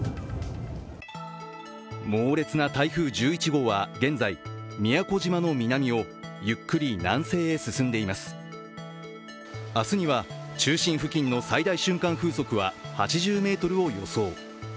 猛烈な台風１１号は現在、宮古島の南を明日には、中心付近の最大瞬間風速は８０メートルを予想。